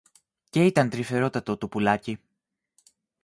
Και ήταν τρυφερότατο το πουλάκι.